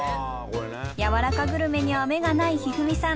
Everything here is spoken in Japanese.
やわらかグルメには目がない一二三さん